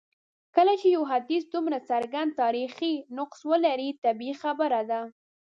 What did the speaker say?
کله چي یو حدیث دومره څرګند تاریخي نقص ولري طبیعي خبره ده.